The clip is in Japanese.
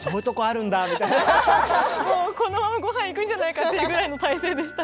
このままご飯行くんじゃないかっていうぐらいの体勢でしたからね。